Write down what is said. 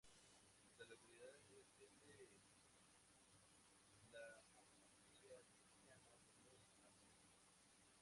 La localidad es sede la eparquía de Piana de los albaneses.